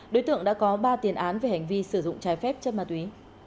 đối tượng đã có ba tiền án về hành vi sử dụng trái phép chất ma túy